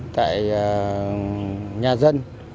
tại nhà dân